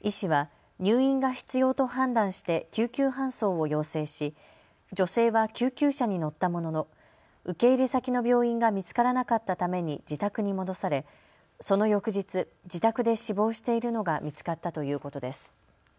医師は入院が必要と判断して救急搬送を要請し女性は救急車に乗ったものの受け入れ先の病院が見つからなかったために自宅に戻されその翌日、自宅で死亡しているのが見つかったということです。